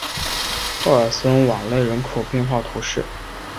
奥尔森瓦勒人口变化图示